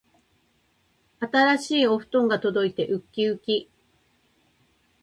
新しいお布団が届いてうっきうき